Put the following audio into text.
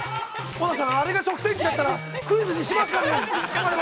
乙葉さん、あれが食洗機だったらクイズにしますかね。